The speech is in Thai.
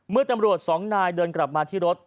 เมื่อตำรวจสองนายเดินกลับมาที่รถ